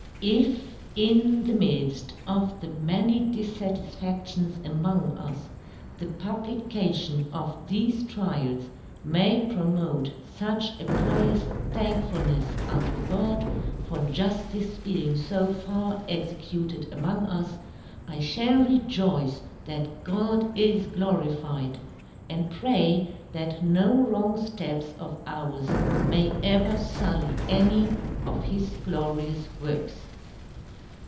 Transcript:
_ If in the midst of the many Dissatisfactions among us, the Publication of these Tryals, may promote such a Pious Thankfulness unto God, for Justice being so far executed among us, I shall Rejoice that God is Glorified; and pray, that no wrong steps of ours may ever sully any of his Glorious Works.